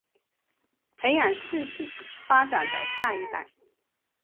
培养适性发展的下一代